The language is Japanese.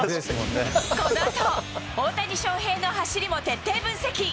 このあと、大谷翔平の走りも徹底分析。